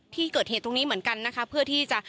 ที่เกิดเหตุตรงนี้เหมือนกันนะคะเพื่อที่จะ